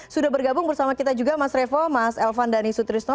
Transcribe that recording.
sudah bergabung bersama kita juga mas revo mas elvan dhani sutrisno